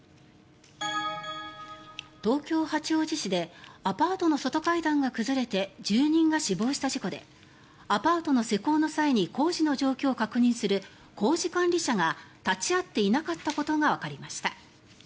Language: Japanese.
東京・八王子市でアパートの外階段が崩れて住人が死亡した事故でアパートの施工の際に工事の状況を確認する工事監理者が立ち会っていなかったことがわかりました。